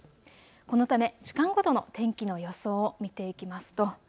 このため時間ごとの天気の予想を見ていきますと